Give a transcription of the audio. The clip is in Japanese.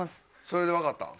それでわかったん？